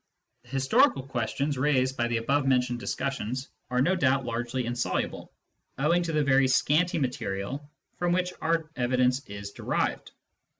The historical questions raised by the above mentioned discussions are no doubt largely insoluble, owing to the very scanty material from which our evidence is derived.